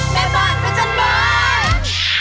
แม่บ้านพาจันบาน